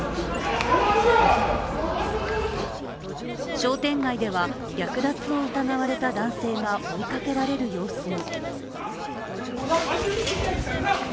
商店街では、略奪を疑われた男性が追いかけられる様子も。